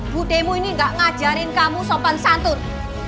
budimu ini gak ngajarin kamu sopan santun